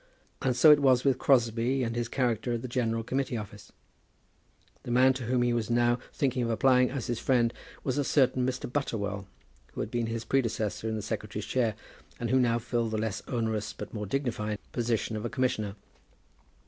And so it was with Crosbie and his character at the General Committee Office. The man to whom he was now thinking of applying as his friend, was a certain Mr. Butterwell, who had been his predecessor in the secretary's chair, and who now filled the less onerous but more dignified position of a Commissioner.